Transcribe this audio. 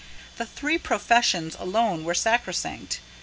The three professions alone were sacrosanct.